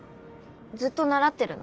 ずっと習ってるの？